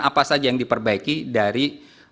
apa saja yang diperbaiki dari